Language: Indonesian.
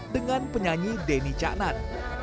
dengan penyanyi denny caknat